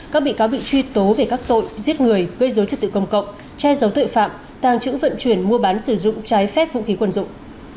các bị cáo bị truy tố về các tội giết người gây dối trật tự công cộng che giấu tội phạm tàng trữ vận chuyển mua bán sử dụng trái phép vũ khí quần dụng